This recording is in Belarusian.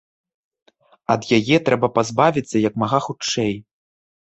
Ад яе трэба пазбавіцца як мага хутчэй.